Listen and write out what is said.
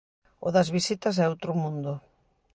O das visitas é outro mundo.